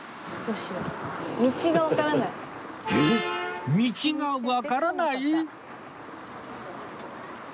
えっ道がわからない？